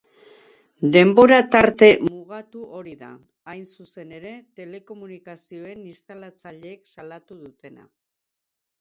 Denbora-tarte mugatu hori da, hain zuzen ere, telekomunikazioen instalatzaileek salatu dutena.